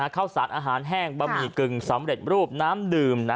ข้าวสารอาหารแห้งบะหมี่กึ่งสำเร็จรูปน้ำดื่ม